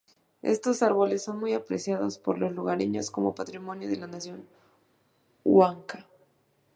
Estos árboles son muy apreciados por los lugareños como patrimonio de la nación huanca.